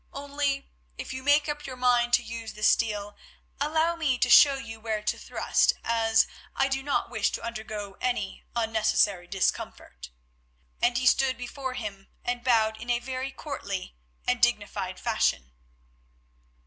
Only, if you make up your mind to use the steel, allow me to show you where to thrust, as I do not wish to undergo any unnecessary discomfort"—and he stood before him and bowed in a very courtly and dignified fashion.